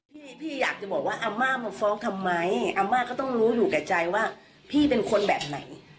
พี่พี่อยากจะบอกว่าอาม่ามาฟ้องทำไมอาม่าก็ต้องรู้อยู่แก่ใจว่าพี่เป็นคนแบบไหน